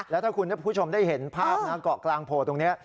แล้วถ้าคุณผู้ชมได้เห็นภาพนะเกาะกลางโผล่ตรงนี้